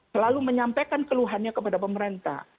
selalu menyampaikan keluhannya kepada pemerintah